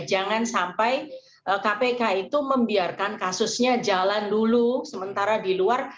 jangan sampai kpk itu membiarkan kasusnya jalan dulu sementara di luar